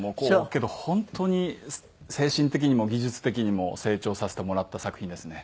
けど本当に精神的にも技術的にも成長させてもらった作品ですね。